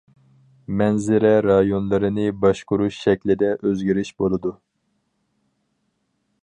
مەنزىرە رايونلىرىنى باشقۇرۇش شەكلىدە ئۆزگىرىش بولىدۇ.